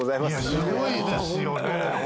すごいですよね。